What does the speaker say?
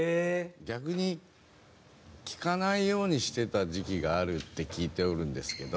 逆に「聴かないようにしてた時期がある」って聞いておるんですけど。